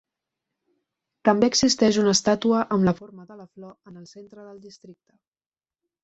També existeix una estàtua amb la forma de la flor en el centre del districte.